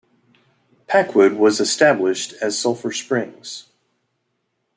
Packwood was established as Sulphur Springs.